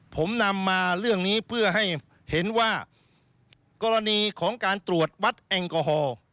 ผมนำมาเรื่องนี้เพื่อให้เห็นว่ากรณีของการตรวจวัดแอลกอฮอล์